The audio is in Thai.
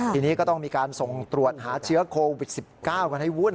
ทีนี้ก็ต้องมีการส่งตรวจหาเชื้อโควิด๑๙กันให้วุ่น